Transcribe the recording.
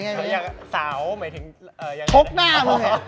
พกหน้ามึงเจอ